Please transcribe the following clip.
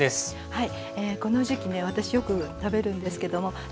はい。